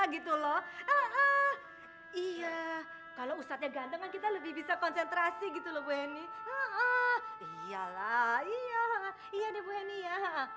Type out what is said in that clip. gitu loh iya kalau usatnya gandeng kita lebih bisa konsentrasi gitu loh ini iyalah iya iya